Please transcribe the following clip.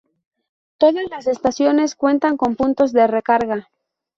Todas las estaciones cuentan con puntos de recarga.